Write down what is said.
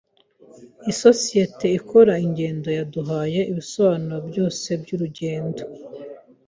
Isosiyete ikora ingendo yaduhaye ibisobanuro byose byurugendo.